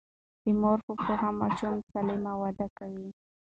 د مور په پوهه ماشومان سالم وده کوي.